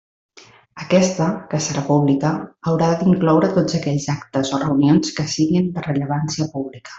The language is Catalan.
Aquesta, que serà pública, haurà d'incloure tots aquells actes o reunions que siguen de rellevància pública.